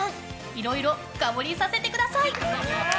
いろいろ深掘りさせてください！